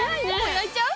焼いちゃう？